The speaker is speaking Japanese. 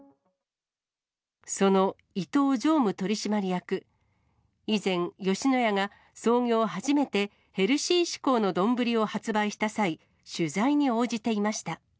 その伊東常務取締役、以前、吉野家が創業初めて、ヘルシー志向の丼を発売した際、取材に応じていました。